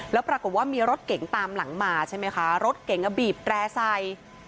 แล้วปรากฏว่ามีรถเก๋งตามหลังมารถเก๋งอะบีบแตรงใส